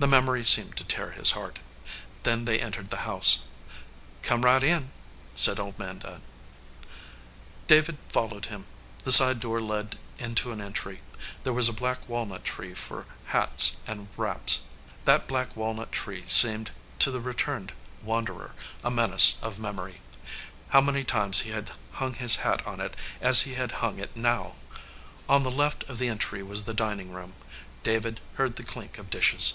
The memory seemed to tear his heart. Then they en tered the house. "Come right in," said old man Dunn. David followed him. The side door led into an entry. There was a black walnut tree for hats and wraps. That black walnut tree seemed, to the re turned wanderer, a menace of memory. How many times he had hung his hat on it as he hung it now ! On the left of the entry was the dining room. David heard the clink of dishes.